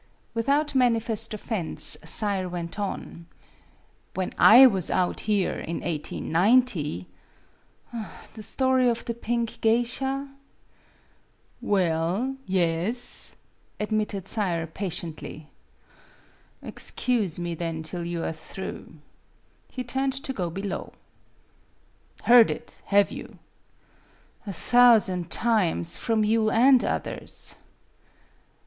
Without manifest offense, Sayre went on :" When 1 was out here in 1890 "" The story of the Pink Geisha ?" "Well yes," admitted Sayre, patiently. " Excuse me, then, till you are through." He turned to go below. " Heard it, have you ?" "A thousand times from you and others."